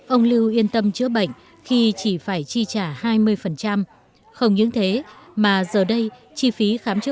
ông lưu yên tâm chữa bệnh khi chỉ phải chi trả hai mươi không những thế mà giờ đây chi phí khám chữa